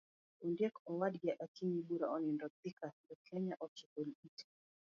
ondiek owadgi akinyi bura onindo thika, jokenya ochiko itgi